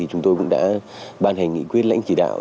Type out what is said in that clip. chúng tôi cũng đã ban hành nghị quyết lãnh chỉ đạo